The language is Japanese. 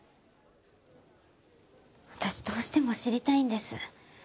私どうしても知りたいんです。